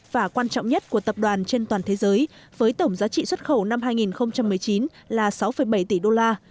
và quan trọng nhất của tập đoàn trên toàn thế giới với tổng giá trị xuất khẩu năm hai nghìn một mươi chín là sáu bảy tỷ đô la